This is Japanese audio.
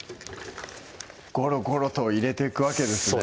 ゴロゴロと入れていくわけですね